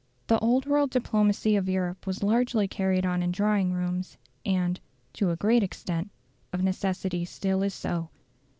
The old world diplomacy of Europe was largely carried on in drawing rooms, and, to a great extent, of necessity still is so.